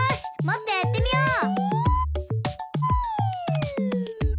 もっとやってみよう！